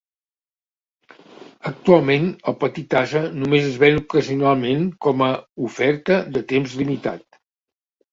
Actualment el petit ase només es ven ocasionalment, com a "oferta de temps limitat".